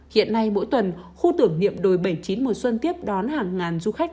hiện nay mỗi tuần khu tưởng niệm đồi bảy mươi chín mùa xuân tiếp đón hàng ngàn du khách